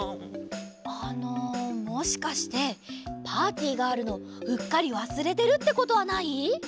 あのもしかしてパーティーがあるのうっかりわすれてるってことはない？